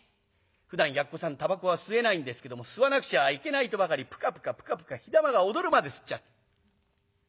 ふだんやっこさんたばこは吸えないんですけども吸わなくちゃいけないとばかりぷかぷかぷかぷか火玉が踊るまで吸っちゃう。